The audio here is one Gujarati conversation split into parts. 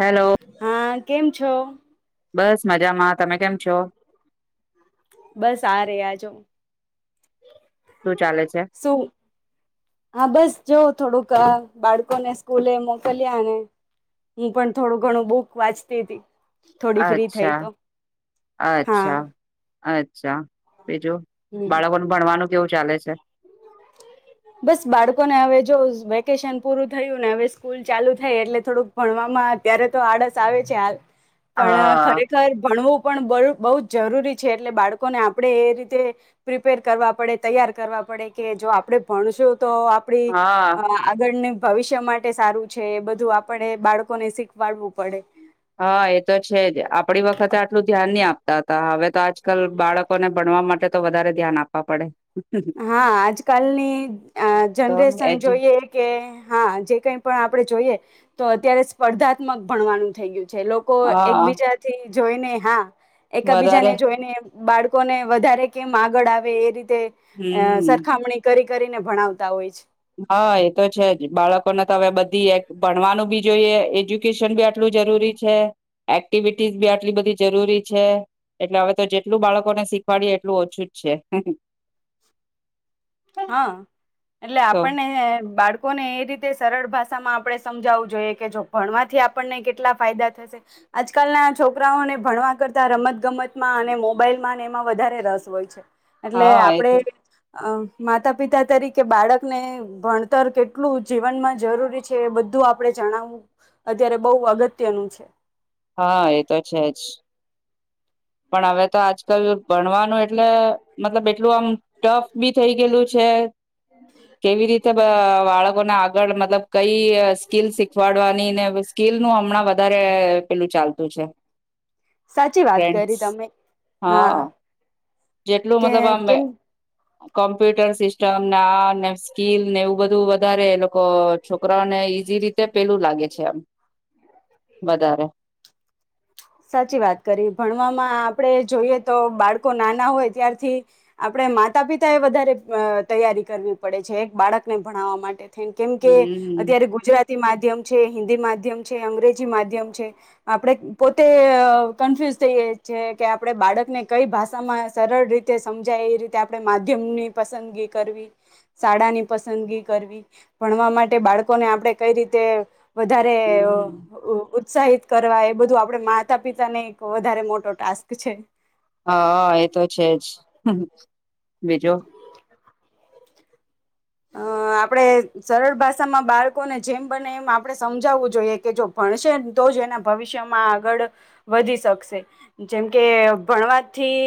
હેલો હા. કેમ છો? બસ મજામાં તમે કેમ છો? બસ આ ર આજો. શું ચાલે છે શું હા બસ જો. થોડુંક બાળકોને સ્કૂલે મોકલ્યા ને હું પણ થોડું ઘણું બુક વાંચતી હતી. થોડી ફ્રી થઈ અચ્છા તો હા. આ અચ્છા બેજો હમ બાળકોનું ભણવાનું કેવું ચાલે છે? બસ બાળકોને હવે જો વેકેશન પૂરું થયું ને હવે સ્કૂલ ચાલુ થાય એટલે થોડુંક ભણવામાં અત્યારે તો આળસ આવે છે હાલ પણ હા ખરેખર ભણવું પણ બહુ જ જરૂરી છે એટલે બાળકોને આપણે એ રીતે પ્રિપેર કરવા પડે તૈયાર કરવા પડે કે જો આપડે ભણશું તો આપડી હા અ આગળને ભવિષ્ય માટે સારું છે એ બધું આપણે બાળકોને શીખવાડવું પડે. હા એ તો છે જ આપડી વખતે આટલું ધ્યાન નહી આપતા હતા હવે તો આજકાલ બાળકોને ભણવા માટે તો વધારે ધ્યાન આપવા પડે. હા આજકાલની તો જનરેશન એજ જોઈએ કે હા જે કઈ પણ આપણે જોઈએ. તો અત્યારે સ્પર્ધાત્મક ભણવાનું થઇ ગયું. જે લોકો હા એકબીજાથી જઈનેહા વધારે એકબીજાને જોઈને બાળકોને વધારે કેમ આગળ આવે એ રીતે અ હમ સરખામણી કરી કરીને ભણાવતા હોય છે. હા એ તો છે જ બાળકોને તો હવે બધા. ભણવાનું બી જોઈએ એજ્યુકેશન બી આટલું જરૂરી છે એક્ટિવિટીઝ બી આટલી બધી જરૂરી છે એટલે હવે તો જેટલું બાળકોને શીખવાડીએ એટલું ઓછું જ છે. હા. એટલે તો આપણને બાળકોને એ રીતે સરળ ભાષા. માં આપણે સમજાવવું જોઈએ કે જો ભણવાથી આપણને કેટલા ફાયદા થશે આજકાલના છોકરાઓને ભણવા કરતા રમત ગમતમાં અને મોબાઈલ માંને એમાં વધારે રસ હોય છે. એટલે હા એ આપડે. તો અ માતા પિતા તરીકે બાળકને ભણતર કેટલું જીવનમાં જરૂરી છે એ બધું આપડણે જણાવવું અત્યારે બહુ અગત્યનું છે. હા એ તો છે જ. પણ હવે તો આજ. ક ભણવાનું એટલે. મતલબ એટલું આમ ટફ બી થઇ ગયેલું છે. કેવી રીતે બાળકો ના આ. આગળ મતલબ કઈ સ્કીલ શીખવાડવાનીને સ્કીિલ નું હમણાં વધારે પેલું ચાલતું છે. સાચી વાત ટ્રેન્ડસ કરી. તમે હા. જેટલું કે મતલબ આમ. કેમ કોમ્પ્યુટર સિસ્ટમને આ ને સ્કીલ ને એવું બધું વધારે એ લોકો છોકરાઓને ઈઝ રીતે પેલું લાગે છે એમ વધારે. સાચી વાત કરી ભણવામાં આપડે જોઈએ તો બાળકો નાના હોય ત્યારથી આપડ માતા પિતાએ વધારે તૈયારી કરવી પડે છે એક બાળકને ભણાવવા માટે. કેમ કે હમ અત્યારે ગુજરાતી માધ્યમ છે હિન્દી માધ્ય. અંગ્રેજી માધ્યમ છે આપણે. પોતે કન્ફ્યુઝ થઈએ છી છે કે આપણે બાળકને કઈ ભાષામાં સરળ રીતે સમજાય એ રીતે આપણે માધ્યમની પસંદગી કરવી શાળાની પસંદગી કરવી ભણવા માટે બાળકોને આપણે કઈ રીતે. વધારે ઉત્સાહિત. કરવા એ બધું. આપડ માતા પિતા ને એક વધારે મોટો ટાસ્ક છે. હા એ તો છે જ. બીજું. અ આપણેે સરળ ભાષામાં બાળકોને જેમ બને એમ આપણે સમજાવવું જોઈએ કે જો ભણશેને તો જ એના ભવિષ્યમાં આગળ વધી શકશે જેમ કે ભણવાથી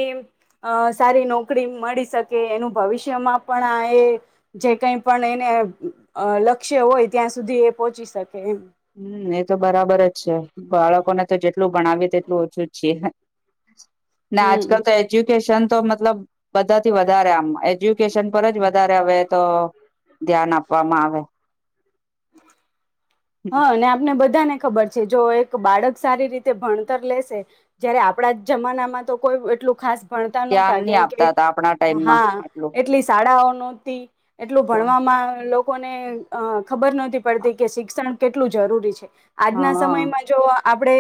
સારી નોકરી મળી શકે એનું ભવિષ્યમાં પણ આ એ. જે કઈ પણ એને લક્ષ્ય હોય ત્યાં સુધી એ પહોંચી શકે એમ. હમ એ તો બરાબર જ છે બાળકોને તો જેટલું ભણાવી તેટલું ઓછું જ છીએ. નાને આજ હમ કલ તો એજ્યુકેશન. તો મતલબ બધાથી વધારે આમ એજ્યુકેશન પર જ વધારે આવે તો ધ્યાન આપવામાં આવે. [inaudible] હા અને આપને બધા. બધાને ખબર છે જો એક બાળક સારી રીતે ભણતર લેશે જયારે આપડા જમાનામાં તો કોઈ એટલું ખાસ. ભણતા ધ્યાન નહતા નહી કેમ કે આપતા હતા આપણા ટાઈમમાં આટલું હા એટલી શાળાઓ ન તે એટલું ભણવામાં કોને અ ખબરહતી પડતી કે શિક્ષણ કેટલું જરૂરી છે આજના હા સમયમાં જો આપણે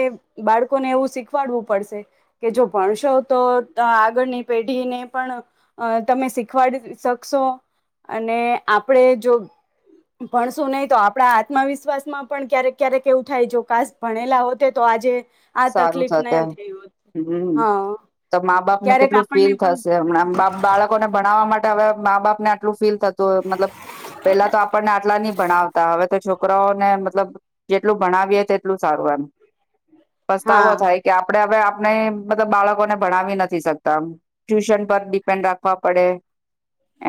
બાળકોને એવું શીખવાડવું પડશે કે જો ભણશો તો આગળની પેઢીને પણ તમે શીખવાડી શકશો અને આપણે જો ભણશું નહી તો આપણા આત્મવિશ્વાસ માં પણ ક્યારેક ક્યારેક એવું થાય જો કાસ ભણેલા હો તો આજે આ સારું તકલીફ થશે ન થઈ હોત હમ હા તો મા બાપ ને ક્યારેક કેટલું ફીલ આપણને પણ થશે હમણાં બા બાળકોને ભણાવવા માટે હવે મા બાપ ને આટલું ફીલ થ મતલબ પેલા તો આપણને આટલા ની ભણાવતા હવે તો છોકરાઓને મતલબ જેટલું ભણાવીએ તેટલું સારું એમ હા પસ્તાવો થાય કે આપડે હવે આપને મતલબ બાળકોને ભણાવી નથી શકતામ ટ્યુશન પર ડિપેન્ડ રાખવા પડે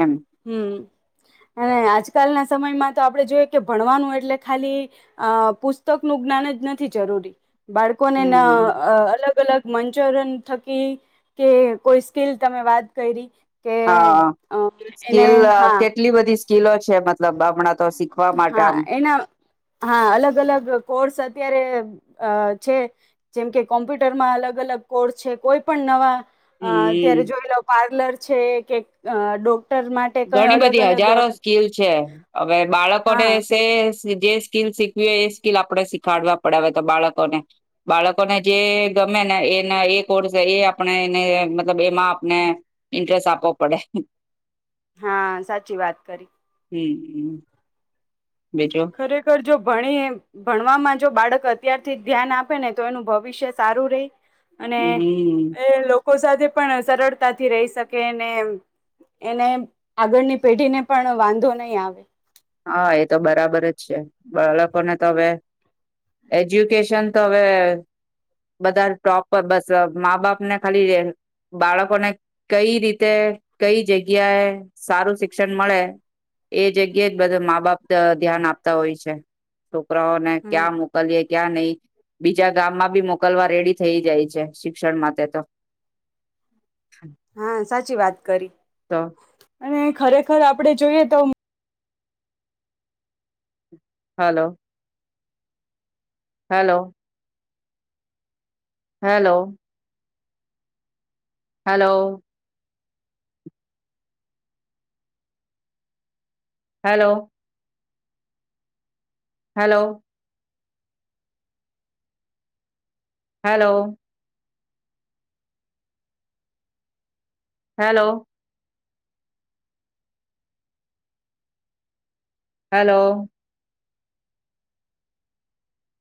એમ હમ અને આજકાલના સમયમાં તો આપણે જોઈએ કે ભણવાનું એટલે ખાલી અ પુસ્તક નું જ્ઞાન જ નથી જરૂરી બાળકોને ના હમ અલગ અલગ મંચોરન થકી કે કોઈ સ્કીલ તમે વાત કરી કે અ એને લ હા કેટલી બધી કિલો છે મતલબ હણા તો શીખવા માટે હા આમ એના હા અલગ અલગ કોર્સ અત્યારે અ છે જેમ કે કોમ્પ્યુટરમાં અલગ અલગ કોર્સ છે કોઈ પણ નવા અ અત્યારે હમ જોઈ લ પાર્લર છે કે ડો ઘણી બધી હજારો સ્કીલ છે હવે બાળકટે હા સ જે સ્કીલ શીખવી હોય એ સ્કીિલ આપણે શીખાડવા પડ તો બાળકોને બાળકોને જે ગમે ને એના એ કોર્સ એ આપણે એને મતલબ એમાં આપને ઇન્ટરેસ્ટ આપવો પડે હા સાચી વાત કરી હમ હમ ખરેખર જો ભણી ભણવામાં જો બાળક અત્યારથી ધ્યાન આપે ને તો એનું ભવિષ્ય સારું રહી અને હમ એ લોકો લોકો સાથે પણ સરળતાથી રહી શકેને એને આગળની પેઢી ને પણ વાંધો નહીં આવે હા એ તો બરાબર છે બાળકોને તો હવે એજ્યુકેશન તો હવે બધા ટોપ બસ મા બાપને ખાલી બાળકોને કઈ રીતે કઈ જગ્યાએ સારું શિક્ષણ મળે એ જગ્યા બધા મા બાપ ધ્યાન આપતા હોય છે છોકરાઓ ને હમ ક્યા મોકલીએ ક્યાં નહી બીજા ગામ માં બી મોક મોકલવા રેડી થઈ જાય છે શિક્ષણ માટે તો હા સાચી વાત કરી તો અને ખરેખર આપડે જોઈએ તો હાલો hello hello hello hello hello hello hello hello